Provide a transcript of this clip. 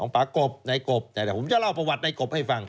ปากบในกบแต่ผมจะเล่าประวัติในกบให้ฟัง